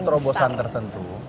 ada satu terobosan tertentu